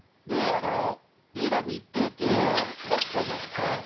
ウィー・ラブ・一平って出されてたじゃないですか。